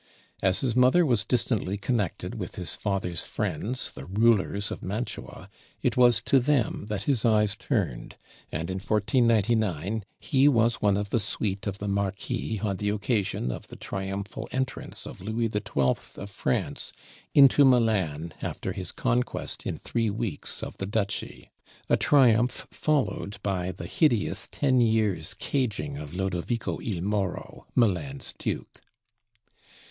As his mother was distantly connected with his father's friends, the rulers of Mantua, it was to them that his eyes turned, and in 1499 he was one of the suite of the Marquis on the occasion of the triumphal entrance of Louis XII. of France into Milan after his conquest in three weeks of the duchy; a triumph followed by the hideous ten years' "caging" of Lodovico il Moro, Milan's duke.